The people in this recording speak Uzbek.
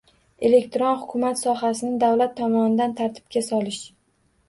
Elektron hukumat sohasini davlat tomonidan tartibga solish